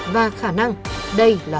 và khả năng đây là